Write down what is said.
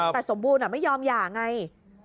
แต่สมบูรณ์ไม่ยอมอย่างเงี้ย